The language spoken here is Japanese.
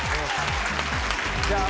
じゃあ。